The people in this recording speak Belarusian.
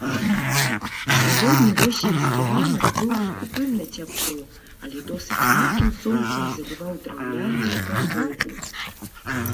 Халодны восеньскі ранак быў скупым на цяпло, але досыць яркім сонцам заліваў драўляную падлогу.